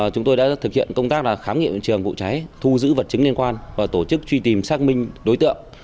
chúng tôi đã thực hiện công tác khám nghiệm hiện trường vụ cháy thu giữ vật chứng liên quan và tổ chức truy tìm xác minh đối tượng